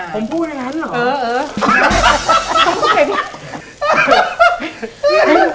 ผมพูดได้แล้วหรอ